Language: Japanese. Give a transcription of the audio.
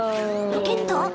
ロケット？